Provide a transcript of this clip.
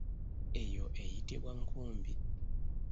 Eyo eyitibwa nkumbi.